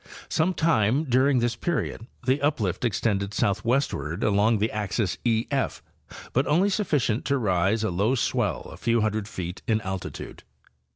Some time during this period the uplift extended southwestward along the axis 1 F, but only sufficient to raise a low swell a few hundred feet in altitude.